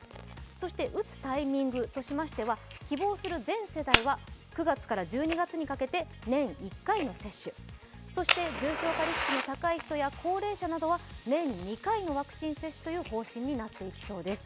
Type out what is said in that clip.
そして打つタイミングとしましては、希望する全世代は９月から１２月かにかけて年１回接種、そして重症化リスクの高い人や高齢者などは年２回のワクチン接種という方針になっていきそうです。